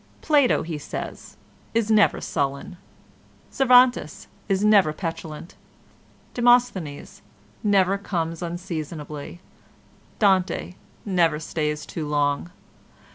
"Plato," he says, "is never sullen. Cervantes is never petulant. Demosthenes never comes unseasonably. Dante never stays too long.